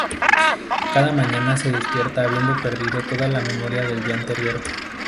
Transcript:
Cada mañana se despierta habiendo perdido toda la memoria del día anterior.